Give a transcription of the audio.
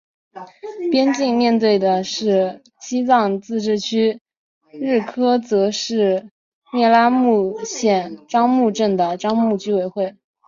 边境对面是西藏自治区日喀则市聂拉木县樟木镇的樟木居委会。